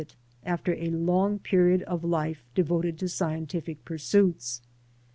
it after a long period of life devoted to scientific pursuits.